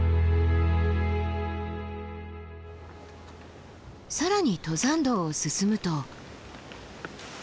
更に登山道を進むと。